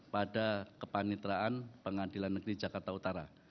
pada kepanitraan pengadilan negeri jakarta utara